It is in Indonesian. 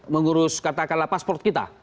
mengurus katakanlah pasport kita